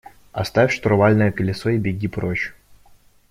– Оставь штурвальное колесо и беги прочь.